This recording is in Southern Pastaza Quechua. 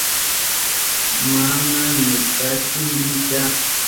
Mana ñukachu risha.